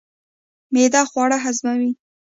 معده خواړه هضموي